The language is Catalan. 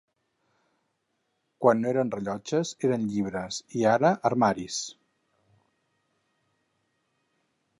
Quan no eren rellotges eren llibres, i ara armaris.